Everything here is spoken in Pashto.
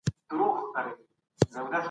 څېړونکی به د داستان زمانه په پام کې ونیسي.